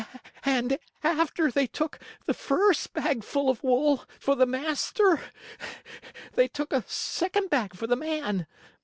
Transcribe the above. And after they took the first bag full of wool for the master they took a second bag for the man.